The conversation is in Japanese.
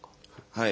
はい。